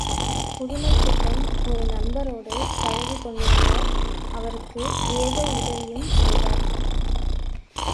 புதுமைப்பித்தன் ஒரு நண்பரோடு பழகிக் கொண்டிருந்தார் அவருக்கு ஏதோ உதவியும் செய்தார்.